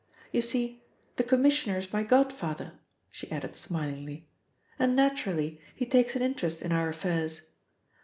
You see, the Commissioner is my godfather," she added smilingly, "and naturally he takes an interest in our affairs.